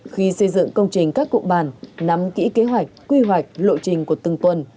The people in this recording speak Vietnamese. khi xây dựng công trình các cục bản nắm kỹ kế hoạch quy hoạch lộ trình của từng tuần